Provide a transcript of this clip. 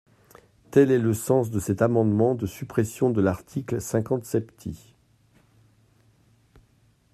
Tel est le sens de cet amendement de suppression de l’article cinquante septies.